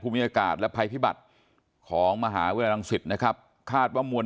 มีอากาศและภัยพิบัติของมหาวิทยาลังศิษย์นะครับคาดว่ามวล